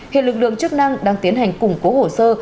hiện lực lượng chức năng đang tiến hành củng cố hồ sơ